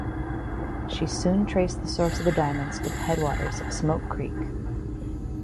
She soon traced the source of the diamonds to the headwaters of Smoke Creek.